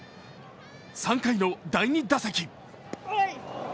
３回の第２打席。